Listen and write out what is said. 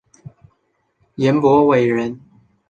颜伯玮人。